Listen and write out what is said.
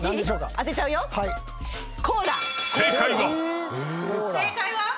正解は。